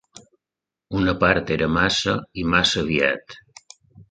Una part era massa i massa aviat.